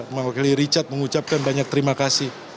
mewakili richard mengucapkan banyak terima kasih